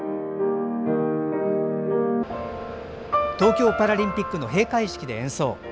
東京パラリンピックの閉会式で演奏。